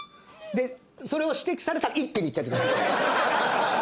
でそれを指摘されたら一気にいっちゃってください。